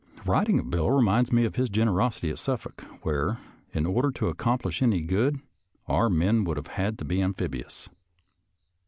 Writing of Bill reminds me of his generosity at Suffolk, where, in order to accomplish any good, our men would have had to be amphibious.